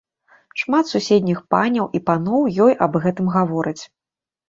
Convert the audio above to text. Шмат суседніх паняў і паноў ёй аб гэтым гавораць.